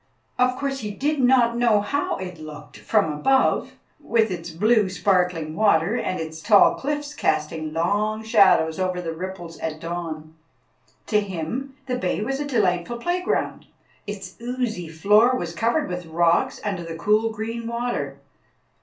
Of course he did not know how it looked from above, with its blue, sparkling water, and its tall cliffs casting long shadows over the ripples at dawn. To him the bay was a delightful playground. Its oozy floor was covered with rocks under the cool green water.